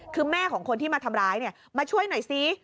คือแม่ของคนที่มาทำร้ายมาช่วยหน่อยซิ